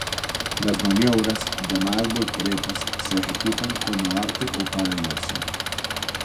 Las maniobras, llamadas "volteretas", se ejecutan como arte o para diversión.